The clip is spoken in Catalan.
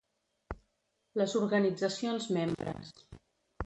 Les organitzacions membres.